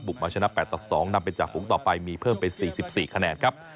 มาชนะ๘ต่อ๒นำไปจากฝูงต่อไปมีเพิ่มเป็น๔๔คะแนนครับ